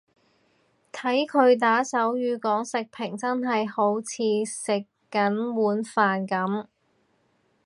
睇佢打手語講食評真係好似食緊碗飯噉